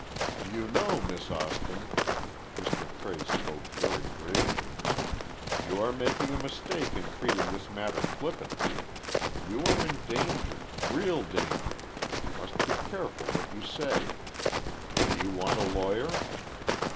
"You know, Miss Austin," Mr. Cray spoke very gravely, "you are making a mistake in treating this matter flippantly. You are in danger—real danger, and you must be careful what you say. Do you want a lawyer?"